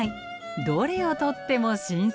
どれをとっても新鮮。